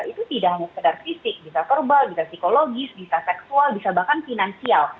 itu tidak hanya sekedar fisik bisa verbal bisa psikologis bisa seksual bisa bahkan finansial